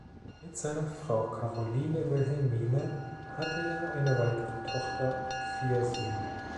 Mit seiner Frau Caroline Wilhelmine hatte er eine weitere Tochter und vier Söhne.